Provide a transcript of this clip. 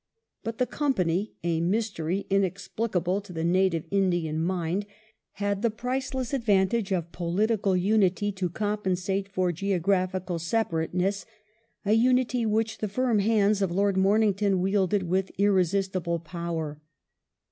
But the Company, a mystery inexplicable to the native Indian mind, had the priceless advantage of political unity to compensate for geographical separateness, a unity which the firm hands of Lord Momington wielded with irre sistible power.